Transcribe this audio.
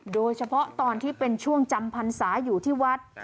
โดยเฉพาะตอนที่เป็นช่วงจำพรรษาอยู่ที่วัด